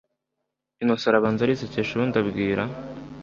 Innocent arabanza arisekesha ubundi abwira